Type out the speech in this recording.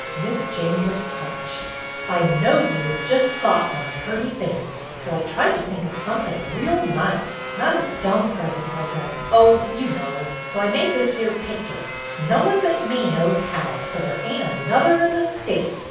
Miss Jane was touched. " I knowed you was just sot on purty things, so I tried to think of somethin' reel nice, not a dumb present like a — oh, you know — so I made this here picter. No one but me knows how, so there ain't another in the state.